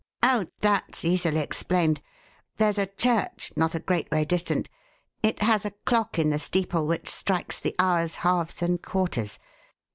"Oh, that's easily explained: There's a church not a great way distant. It has a clock in the steeple which strikes the hours, halves, and quarters.